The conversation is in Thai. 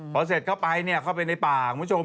พอเสร็จเข้าไปเข้าไปในป่าคุณผู้ชม